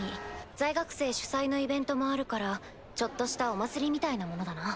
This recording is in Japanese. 在学生主催のイベントもあるからちょっとしたお祭りみたいなものだな。